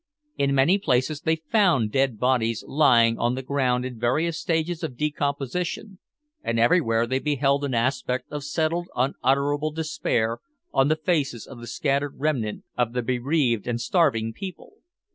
In many places they found dead bodies lying on the ground in various stages of decomposition, and everywhere they beheld an aspect of settled unutterable despair on the faces of the scattered remnant of the bereaved and starving people.